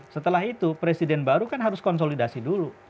setelah itu presiden baru kan harus konsolidasi dulu